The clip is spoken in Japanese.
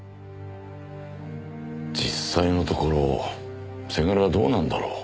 実際のところせがれはどうなんだろう？